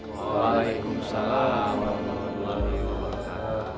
waalaikumsalam warahmatullahi wabarakatuh